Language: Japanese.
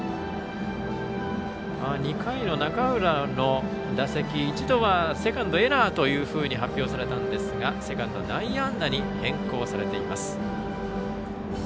２回の中浦の打席は一度はセカンドのエラーと発表されたんですがセカンド、内野安打に変更されています。